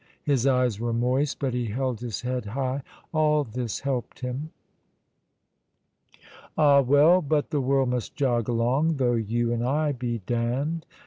His eyes were moist, but he held his head high. All this helped him. Ah, well, but the world must jog along though you and I be damned.